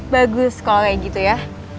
bagus kalau kayak gitu ya